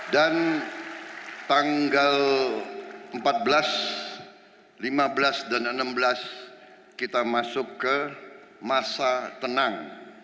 tanggal empat belas lima belas dan enam belas kita masuk ke masa tenang